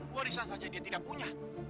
warisan saja dia tidak punya